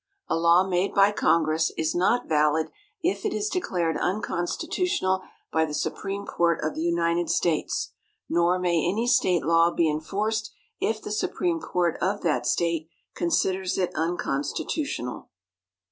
A law made by Congress is not valid if it is declared unconstitutional by the Supreme Court of the United States, nor may any State law be enforced if the Supreme Court of that State considers it unconstitutional.